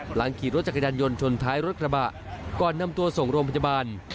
หลังขี่รถจักรยานยนต์ชนท้ายรถกระบะก่อนนำตัวส่งโรงพยาบาล